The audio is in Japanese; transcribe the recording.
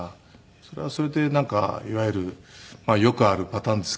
それはそれでいわゆるよくあるパターンですけど。